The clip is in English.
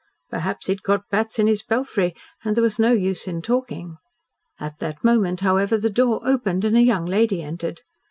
Perhaps he had got "bats in his belfry," and there was no use in talking. At that moment, however, the door opened and a young lady entered.